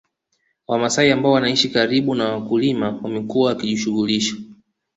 Wamasai ambao wanaishi karibu na wakulima wamekuwa wakijishughulisha